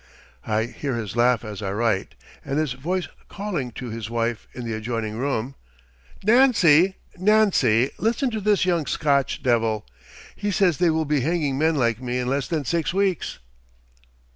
I hear his laugh as I write, and his voice calling to his wife in the adjoining room: "Nancy, Nancy, listen to this young Scotch devil. He says they will be hanging men like me in less than six weeks."